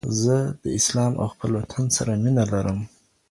زه د اسلام او خپل وطن سره مینه لرم